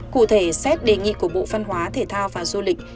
cụ thể xét đề nghị của bộ văn hóa thể thao và du lịch